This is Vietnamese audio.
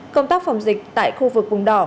công tác phòng dịch tại khu vực vùng đỏ